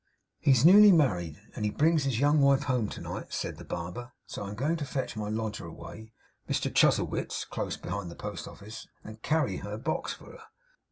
'He's newly married, and he brings his young wife home to night,' said the barber. 'So I'm going to fetch my lodger away Mr Chuzzlewit's, close behind the Post Office and carry her box for her.